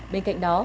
bên cạnh đó